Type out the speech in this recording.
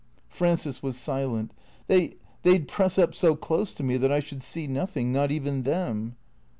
Frances was silent. " They — they 'd press up so close to me that I should see nothing — not even them."